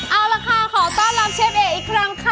เอาล่ะค่ะขอต้อนรับเชฟเอกอีกครั้งค่ะ